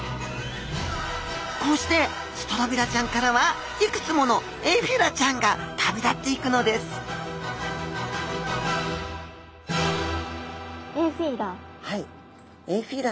こうしてストロビラちゃんからはいくつものエフィラちゃんが旅立っていくのですエフィラ？